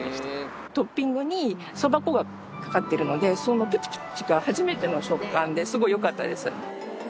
トッピングに蕎麦粉がかかってるのでそのプチプチが初めての食感ですごい良かったです。